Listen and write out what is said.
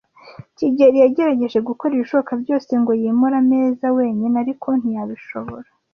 kigeli yagerageje gukora ibishoboka byose ngo yimure ameza wenyine, ariko ntiyabishobora.